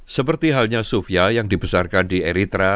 seperti halnya sofia yang dibesarkan di eritrea